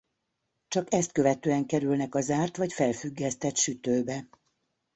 Csak ezt követően kerülnek a zárt vagy felfüggesztett sütőbe.